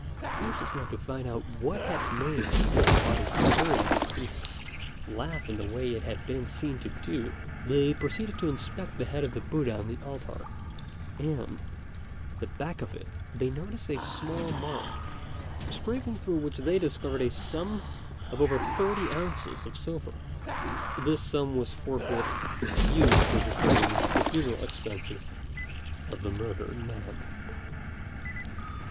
Anxious now to find out what had made the disembodied spirit of the priest laugh in the way it had been seen to do, they proceeded to inspect the head of the Buddha on the altar; and, at the back of it, they noticed a small mark, scraping through which they discovered a sum of over thirty ounces of silver. This sum was forthwith used for defraying the funeral expenses of the murdered man.